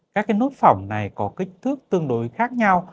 các cái nốt phỏng này có kích thước tương đối khác nhau